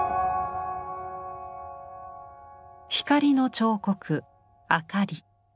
光の彫刻「あかり」。